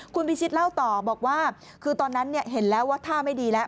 คุณพิชิตเล่าต่อบอกว่าคือตอนนั้นเห็นแล้วว่าท่าไม่ดีแล้ว